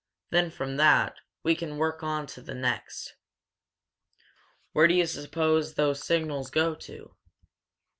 Then, from that, we can work on to the next." "Where do you suppose those signals go to?"